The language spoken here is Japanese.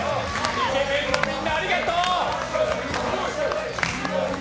イケメンのみんなありがとう！